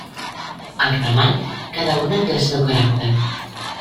Al remat, cada una té el seu caràcter.